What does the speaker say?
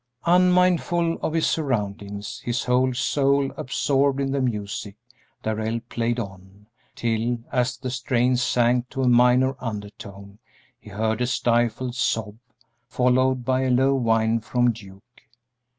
Unmindful of his surroundings, his whole soul absorbed in the music, Darrell played on, till, as the strains sank to a minor undertone, he heard a stifled sob, followed by a low whine from Duke.